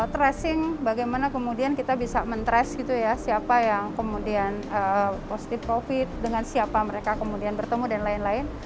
tracing bagaimana kemudian kita bisa men trace gitu ya siapa yang kemudian positif covid dengan siapa mereka kemudian bertemu dan lain lain